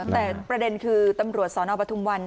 แต่ประเด็นคือตำรวจสนปทุมวัน